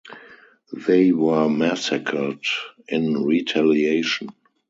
They were massacred in retaliation.